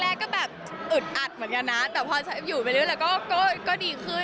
แรกก็แบบอึดอัดเหมือนกันแต่พออยู่เป็นเรื่องรายการก็ดีขึ้น